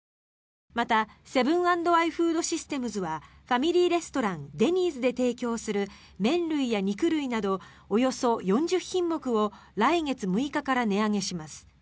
またセブン＆アイフードシステムズはファミリーレストランデニーズで提供する麺類や肉類などおよそ４０品目を来月６日から値上げします。